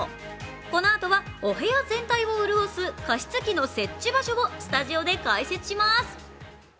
このあとはお部屋全体を潤す加湿器の設置場所をスタジオで解説します。